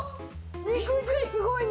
肉汁すごいね！